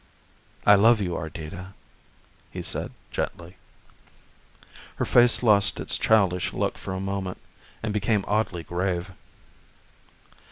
"I love you, Ardita," he said gently. Her face lost its childish look for moment and became oddly grave.